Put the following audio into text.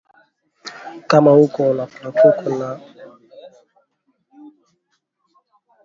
Kama uko na kula nyama ya nkuku ni mubaya kuvunja mufupa